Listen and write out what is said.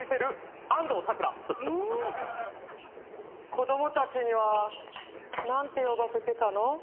子供たちには何て呼ばせてたの？